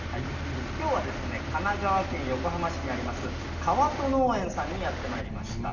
きょうは神奈川県横浜市にあります、川戸農園さんにやってまいりました。